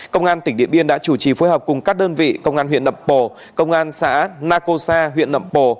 công an tỉnh điện biên đã chủ trì phối hợp cùng các đơn vị công an huyện nậm bồ công an xã naco sa huyện nậm bồ